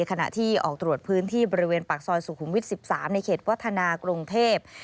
ขณะที่ออกตรวจพื้นที่บริเวณปากซอยสุขุมวิทย์๑๓ในเขตวัฒนากรุงเทพ